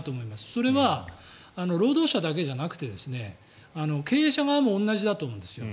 それは労働者だけじゃなくて経営者側も同じだと思うんですよ。